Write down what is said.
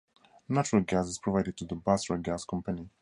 Natural gas is provided to the Basrah Gas Company.